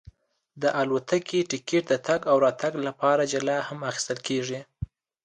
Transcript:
د الوتکې ټکټ د تګ او راتګ لپاره جلا هم اخیستل کېږي.